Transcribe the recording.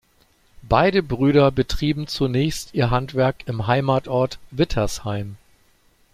Beide Brüder betrieben zunächst ihr Handwerk im Heimatort Wittersheim.